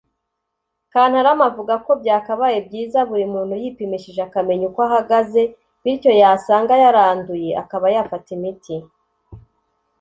Kantarama avuga ko byakabaye byiza buri muntu yipimishije akamenya uko ahagaze bityo yasanga yaranduye akaba yafata imiti